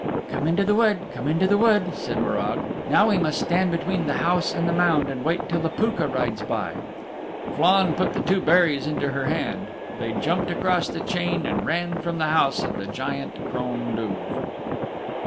"Come into the wood, come into the wood," said Morag. "Now we must stand between the house and the mound, and wait till the Pooka rides by." Flann put the two berries into her hand, they jumped across the chain, and ran from the house of the Giant Crom Duv.